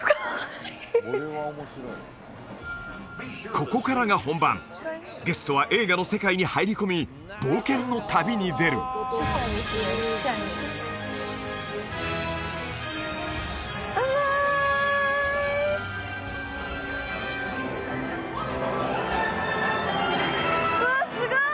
ここからが本番ゲストは映画の世界に入り込み冒険の旅に出るバイバーイうわすごい！